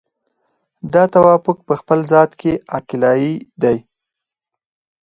دا توافق په خپل ذات کې عقلایي دی.